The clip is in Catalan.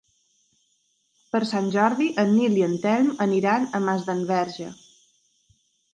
Per Sant Jordi en Nil i en Telm aniran a Masdenverge.